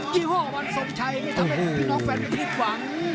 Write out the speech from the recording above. ี่ห้อวันทรงชัยนี่ทำให้พี่น้องแฟนมวยผิดหวัง